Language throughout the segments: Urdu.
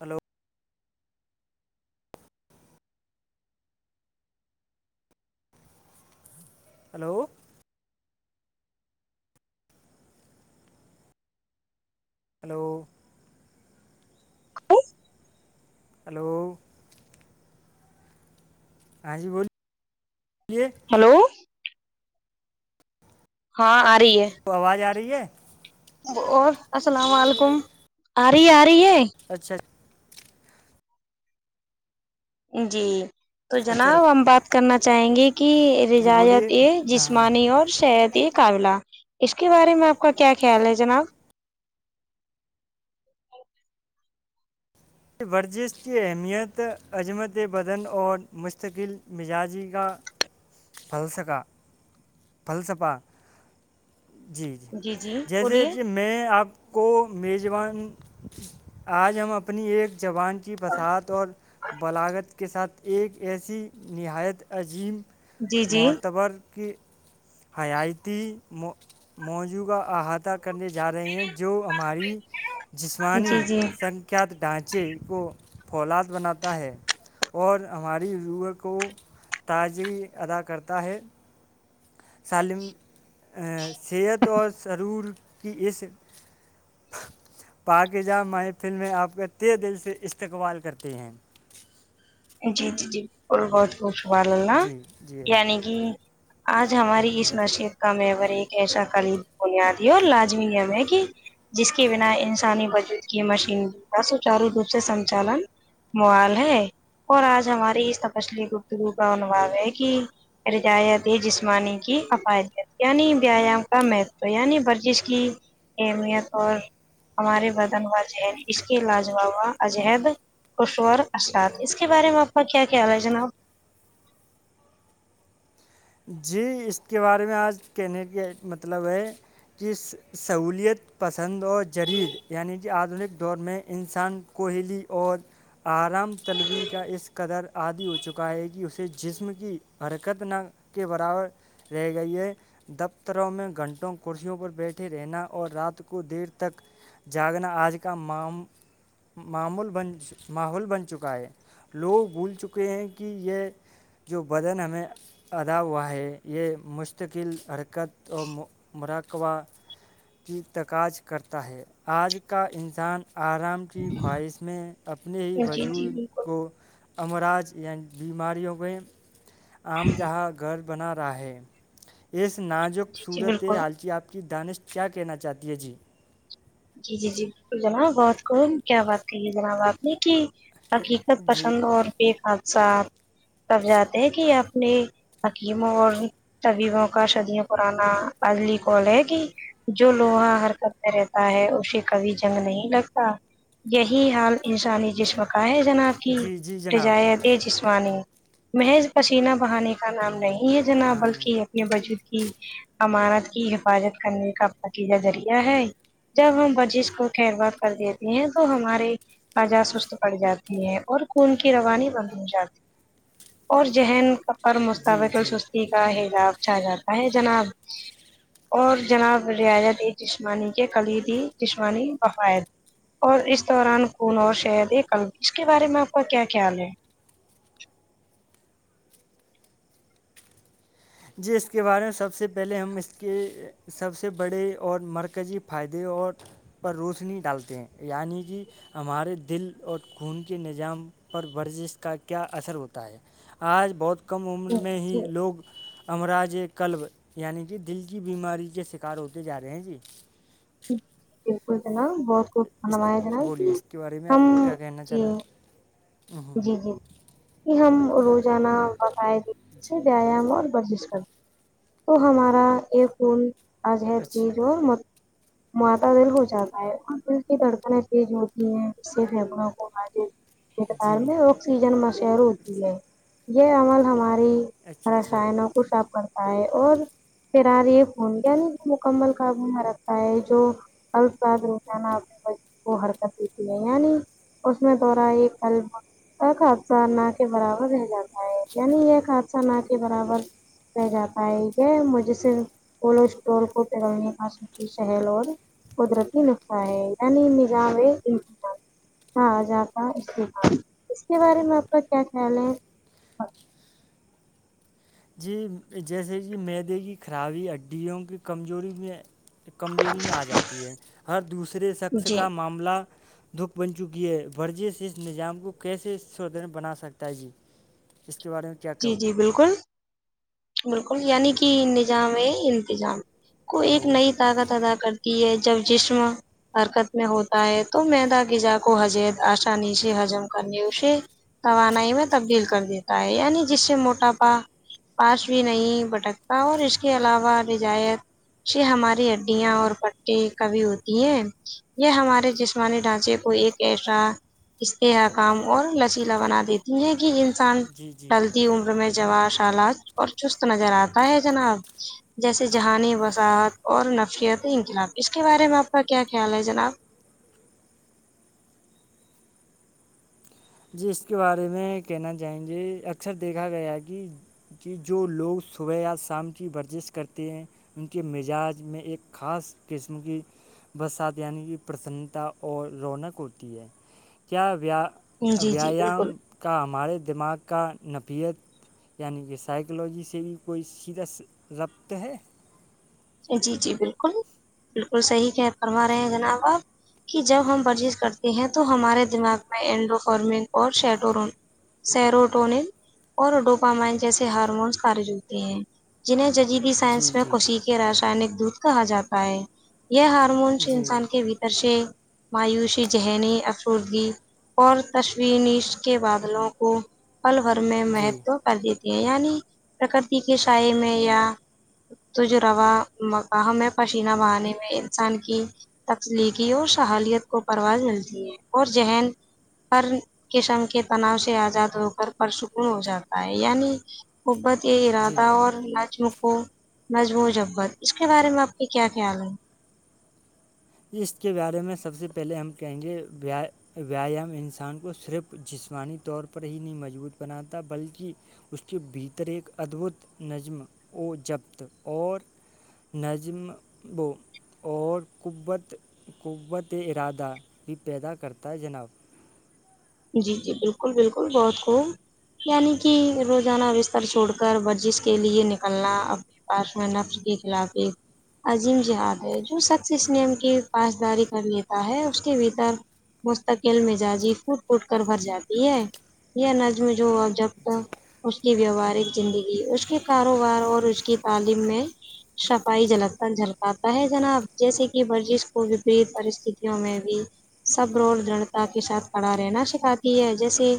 ہلو ہلو ہلو ہیلو ہاں جی بولیے ہلو ہاں آ رہی ہے آواز آ رہی ہے السلام علیکم آ رہی آ رہی ہے اچھا جی تو اچھا جناب ہم بات کرنا چاہیں گے کہ جی رجایت بولیے ایک ہاں جسمانی اور صحت ایک مقابلہ اس کے بارے میں آپ کا کیا خیال ہے جناب ورزش کی اہمیت عظمت بدن اور مستقل مزاجی کا فلسفہ جی جی جیسے بولیے جم میں میں آپ کو میزبان آج ہم اپنی ایک زبان کی وساعت اور بلاغت کے ساتھ ایک ایسی نہایت عظیم جی جی معتبر کی حیاتی موضوع کرنے جا رہے ہیں جو ہماری جسمانی جی جی سن کیا ڈھانچے کو فولاد بناتا ہے اور ہماری روح کو تازگی عطا کرتا ہے سالم صحت اور سرور کی اس پاکیزہ محفل میں اپ کا تہہ دل سے استقبال کرتے ہیں جی جی جی اور بہت بہت سوال اللہ جی جی یعنی کہ آج ہماری اس نشت کم ہے ایک ایسا خلید بنیادی اور لازمی ہے کہ جس کے بنا انسانی بجود کی مشینری کا سچارو روپ سے سنچالن موال ہے اور آج ہماری اس تپسلی گفتگو کا انواد ہے کہ رجایت ہے جسمانی کی حفادت یعنی ویایام کا مہتو یعنی ورزش کی اہمیت اور ہمارے بدن و ہد اس کے لاجوابا اجہد خشور اسات اس کے بارے میں آپ کا کیا خیال ہے جناب جی اس کے بارے میں آج کہنے کا مطلب ہے کہ سہولیت پسند اور جریید یعنی آدنک دور میں انسان کوہلی اور آرام طلبی کا اس قدر عادی ہو چکا ہے کہ اسے جسم کی حرکت نہ کے برابر رہ گئیے ہے دفتروں میں گھنٹوں کرسیوں پر بیٹھے رہنا اور رات کو دیر تک جاگنا آج کا معام ماحول بن چکا ہے لوگ بھول چکے ہیں کہ یہ جو بدن ہمیں عطا ہوا ہے یہ مستقل حرکت اور مراقبہ کی تکاج کرتا ہے آج کا انسان آرام کی خواہش میں اپنے ہی جی جی وجود بالکل کو امراج یعنی بیماریوں کےئے جاں گھر بنا رہا ہے اس نازک جی جی صورت بالکل آالچی آپ کی دانشٹ کیا کہنا چاہتی ہے جی جی جی جی بالکل جناب بہت خم کیا بات کہیے جناب آپ نے کہ حقیقت جی پسند اور بے حادثات سب جاتے ہیں کہ اپنے حکیموں اور طبیبوں کا شدیوں پررانا عزلی کال ہے کہ جو لوگ ہرکت کرتے ہے اسے کبھی جنگ نہیں لگتا یہی حال انسانی جسم کا ہے جنا کی جی جی جناب رجایتے جسمانی محض پسینہ بہانے کا نام نہیں یہ جناب ہاں بلکہ وجود کی امانت کی حفاظت کرنے کا پتیجہ ذریعہ ہے جب ہم بزش کو خیرواد کر دیتے ہیں تو ہمارے آجا سست پڑ جاتی ہے اور خون کی روانی بند ہو جاتی ہے اور ذہن فر جی مستوقل جی سستی کا حجاب چا جاتا ہے جناب اور جناب رعیت ایک جسمانی کے خلیدی جشوانی وفائد اور اس دوران خون اور شہد ایک قلب اس کے بارے میں آپ کا کیا خیال ہے جی اس کے بارے میں سب سے پہلے ہم اس کے سب سے بڑے اور مرکزی فائدے اور پر روشنی ڈالتے ہیں یعنی کہ ہمارے دل اور خون کے نظام پر ورزش کا کیا اثر ہوتا ہے آج بہت کم عمر میں جی ہی لوگ امراج کلب یعنی کہ دل کی بیماری کے شکار ہوتے جا رہے ہیں جی بالکل جناب بہت خوب اس فنمیا جنا کہ بولیے اس کے بارے میں ہم آپ کو کیا کہنا جی چاہیں جی جی کہ ہم روزانہ باقاعد سے جی ویایام اور ورزش کرتے تو ہمارا یہ فون آج ہے اچھا جو مادا دل ہو جاتا ہے اور پل کی دھڑکنیں تیز ہوتی ہیں سےوں کو حارر مقدار جی میں آکسیجن مشور ہوتی ہے یہ عمل ہماری اچھا اچھا ہراشا ہے نوخوشاف کرتا ہے اور پھر آار یہ فون یعنی مکمل کاابو میں رکھتا ہے جو ال سات روانا اپنے ب کو ہرکت دیتی ہے یعنی اس میں دو رہا ایک البم ایک حادثہ نہ کے برابر رہ جاتا ہے یعنی یہ حادثہ نہ کے برابر کہ جاتا ہے یہ مجھے صر پولو اسٹور کو تلنے کا سوچ شہل اور قدرتی نسخہ ہے یعنی نجام ہے انتظام ہاں آ جاتا اس اس کے بارے میں آپ کا کیا خیال ہے جی جیسے کہ معیدے کی خرابی ہڈیوں کی کمزوری میں کمزوری میں آ جاتی ہے ہر دوسرے شخص جی کا معاملہ دھک بن چکی ہے ورجے سے اس نظام کو کیسے سدن بنا سکتا ہے جی جس کے بارے میں کیا جی کہو جی بالکل بالکل یعنی کہ نظام ہے انتظام کو ایک لو نئی طاقت عطا کرتی ہے جب جسم حرکت میں ہوتا ہے تو میدا غذا کو حج آسانی سے حجم کرنے اسے توانائی میں تبدیل کر دیتا ہے یعنی جس سے موٹاپا پاس بھی نہیں بھٹکتا اور اس کے علاوہ رجایت یہ ہماری ہڈیاں اور پٹٹیے کبھی ہوتی ہیں یہ ہمارے جسمانی ڈھانچے کو ایک ایسا استحکام اور لچیلا بنا دیتی ہیں کہ انسان جی جی ڈلتی عمر میں جواہ سالات اور چست نظر آتا ہے جناب جیسے جہانی وساحعت اور نفیت انقلاب اس کے بارے میں آپ کا کیا خیال ہے جناب جی اس کے بارے میں کہنا چائیں گے اکثر دیکھا گیا ہے کہ کہ جو لوگ صبح یا شام کی ورزش کرتے ہیں ان کے مزاج میں ایک خاص قسم کی برسات یعنی کی پرسنتا اور رونق ہوتی ہے کیا ویا جی جی ویایام بالکل کا ہمارے دماغ کا نفیت یعنی کہ سائیکلوجی سے بھی کوئی سیدھا رابط ہے جی جی بالکل بالکل صحیح کہ فرما رہے ہیں جی جناب آپ کہ جب ہم پرچیز کرتے ہیں تو ہمارے دماغ میں اڈوفارمنگ اور شیٹورون سیروٹونل اور ڈوپامائن جیسے ہارمونس خارج ہوتے ہیں جنہیں جدیدی سائنس جی میں جی خشیق راسائنک دودھ کہا جاتا ہے یہ ہارمونس جی انسان کے بھیتر سے مایوسی ذہنی افرودگی اور تشوینش کے بادلوں کو پل بھر میں جی مہتو کر دیتی ہیں یعنی پرکرتی کے شاائ میں یا تو جو روا مقہ ہے پسینہ بہانے میں انسان کی تخلیقی اور شحالیت کو پرواز ملتی ہے اور ذہن پر کے سنک تناؤ سے آزاد ہو کر پرسکون ہو جاتا ہے یعنی قحبت یہ ارادہ جی اور نجم کوجم جبت اس کے بارے میں آپ کے کیا خیال ہیں اس کے بارے میں سب سے پہلے ہم کہیں گےیا ویایام انسان کو صرف جسمانی طور پر ہی نہیں مضبوط بناتا بلکہ اس کے بھیتر ایک ادبھت نظم جبط اور نظمب اور قوت قوت ارادہ بھی پیدا کرتا ہے جناب جی جی بالکل بالکل بہت خوب یعنی کہ روزانہ بستر چھوڑ کر ورزش کے لیے نکلنا اب پاسوان نفر کے خلاف ایک عظیم جہاد ہے جو شخص اس نیم کی پاسداری کر لیتا ہے اس کے بھیتر مستقیل مزاجی اٹھ کر بھر جاتی ہے یہ نظم جو جب جی تک اس کی ویوہارک زندگی اس کے کاروبار اور اس کی تعلیم میں صفائی جلکن جھلکاتا ہے جناب جیسے کہ ورزش کو وپریت پرستتوں میں بھی سب رول درھتا کے ساتھ کھڑا رہنا سکھاتی ہے جیسے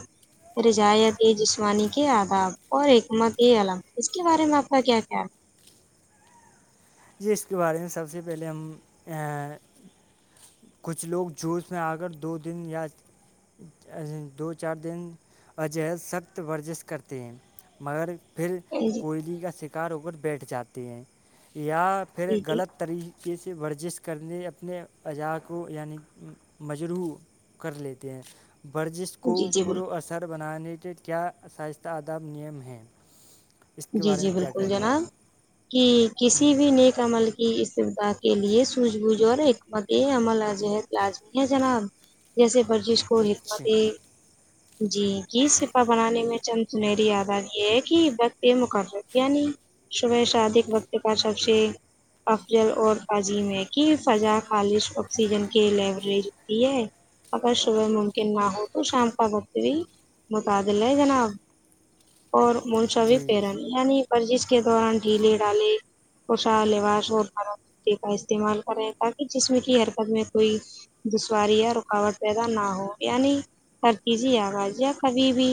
رجایت جسمانی کے آداب اور اکمت عم اس کے بارے میں آپ کا کیا خیال ہے جی اس کے بارے میں سب سے پہلے ہم کچھ لوگ جوس میں آ کر دو دن یا دو چار دن عجہد سخت ورزش کرتے ہیں مگر پھر جی کوئلی کا شکار ہو کر بیٹھ جاتے ہیں یا پھر جی جی غلط طری سے ورزش کرنے اپنے عجا کو یعنی مجرح کر لیتے ہیں ورزش کو جی جی پرو بالکل اثر بنانے کے کیا سائستہ آداب نیم ہیں اس کے جی بارے جی میں کیا بالکل کہیں گے جناب آپ کہ کسی بھی نیک عمل کی استدا کے لیے سوجھ بوجھ اور حکمت عمل اجہت لازمی ہے جناب جیسے ورزش کو حکمت اچھا جی سپا بنانے میں چند سنری یاداد یہ ہے کہ بے مقرر یعنی صبح شاد ایک وقت کا سب سے افضل اور عظیم ہے کی فضا خالش آکسیجن کے لییجتی ہے اگر صبح ممکن نہ ہو تو شام کا بتی متدل ہے جناب اور منشو جی جی یعنی ورزش کے دوران ڈھیلے ڈالے پوشا لباس اور براے کا استعمال کریں تاکہ جسم کی اربت میں کوئی دسوارییا رکاوٹ پیدا نہ ہو یعنی کرتیجی آواز کبھی بھی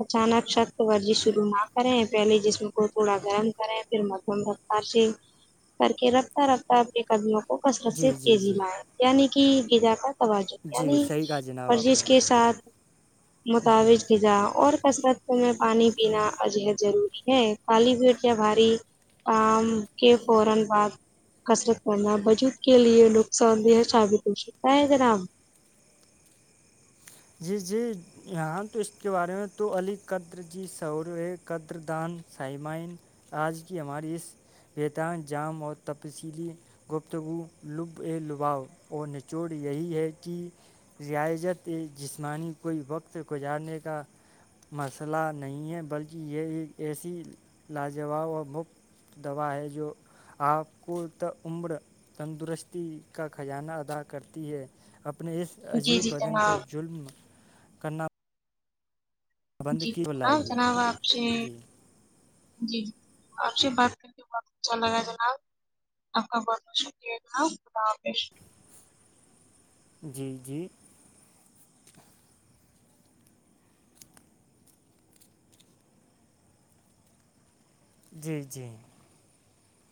اچانک شخت ورزی شروع نہ کریں پہلے جسم کو تھوڑا گرم کریں پھر مدم رفتار سے کر کے رکھ رفتار کے قدموں کو کثرت سے جی جی تیزی جی لائائے یعنی کہ بجا کر توجہ جی یعنی صحیح کہا جناب آپ ورزش نے کے ساتھ متوج کی جا اور کثرت میں پانی پینا عجہد ضرور ہے کالی پیٹ یا بھاری کام کے فوران بعد کسرت کرنا بجود کے لیے نقصان دہ ثابت ہو سکتا ہے گرام جی جی یہاں تو اس کے بارے میں تو علی قدر جی سعور ہے قدر دان سائمائن آج کی ہماری اس بیتان جام اور تفصیلی گفتگو لب ا لباؤ اور نچوڑ یہی ہے کہ ریاائجت جسمانی کوئی وقت گزارنے کا مسئلہ نہیں ہے بلکہ یہ ایک ایسی لاجواب و مفت دوا ہے جو آپ کو تا عمر تندرستی کا خزانہ ادا کرتی ہے اپنے اس جی عجیب جی بدن کا جناب ظلم کرنا بند جی جی کی جناب لائیے جناب آپ سے جی جی آپ سے بات کر کے بہت اچھا لگا جناب آپ کا بہت بہت شکریہ خدا حافظ جی جی جی جی